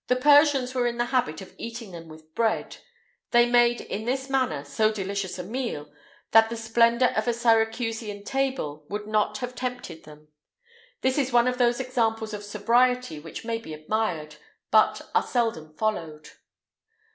The Persians were in the habit of eating them with bread:[IX 206] they made, in this manner, so delicious a meal, that the splendour of a Syracusan table would not have tempted them.[IX 207] This is one of those examples of sobriety which may be admired, but are seldom followed.